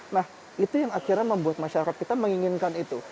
nah itu yang akhirnya membuat masyarakat kita menginginkan itu